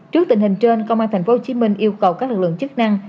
trước tình hình trên công an tp hcm yêu cầu các lực lượng chức năng